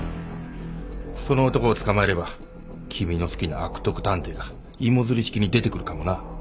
その男を捕まえれば君の好きな悪徳探偵が芋づる式に出てくるかもな。